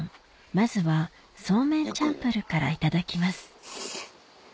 まずはそうめんチャンプルーからいただきます